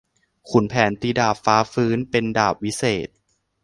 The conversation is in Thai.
ขุนแผนตีดาบฟ้าฟื้น เป็นดาบวิเศษ